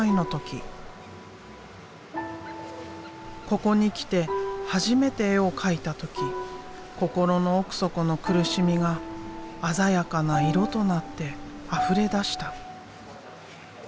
ここに来て初めて絵を描いた時心の奥底の苦しみが鮮やかな色となってあふれ出した。